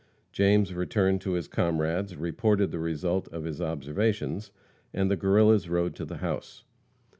James returned to his comrades, reported the result of his observations, and the Guerrillas rode to the house.